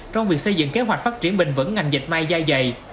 trong việc xây dựng kế hoạch phát triển bình vẩn ngành dịch may dài dày